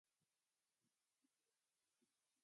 Simple rutina, Pero Reilly descubre algo más.